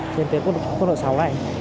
trên kế quốc lộ sáu này